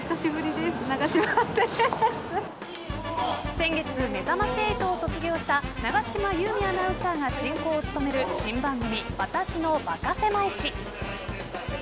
先月、めざまし８を卒業した永島優美アナウンサーが進行を務める新番組、私のバカせまい史。